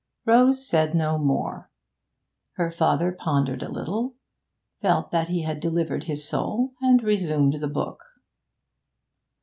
Rose said no more. Her father pondered a little, felt that he had delivered his soul, and resumed the book.